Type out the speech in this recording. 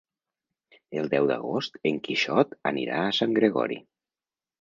El deu d'agost en Quixot anirà a Sant Gregori.